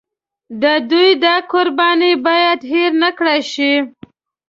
د دوی دا قرباني باید هېره نکړای شي.